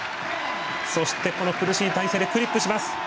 そして、苦しい体勢でクリップします。